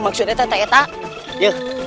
maksudnya teh teh itu